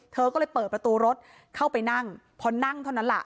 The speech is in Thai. เธอก็เลยเปิดประตูรถเข้าไปนั่งพอนั่งเท่านั้นล่ะ